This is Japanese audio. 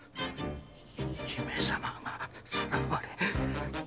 姫様がさらわれ。